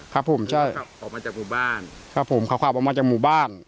ครับผมใช่ขับออกมาจากหมู่บ้านครับผมเขาขับออกมาจากหมู่บ้าน